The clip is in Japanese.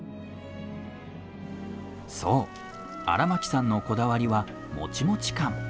そう荒巻さんのこだわりはモチモチ感。